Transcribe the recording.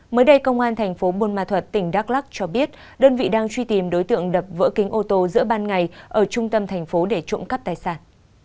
mới đây công an thành phố buôn ma thuật tỉnh đắk lắc cho biết đơn vị đang truy tìm đối tượng đập vỡ kính ô tô giữa ban ngày ở trung tâm thành phố để trộm cắp tài sản